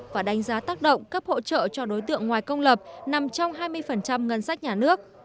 và đánh giá tác động cấp hỗ trợ cho đối tượng ngoài công lập nằm trong hai mươi ngân sách nhà nước